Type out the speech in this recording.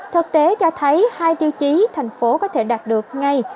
thực tế cho thấy hai tiêu chí thành phố có thể đạt được ngay